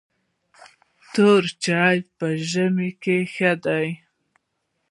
توري چای په ژمي کې ښه دي .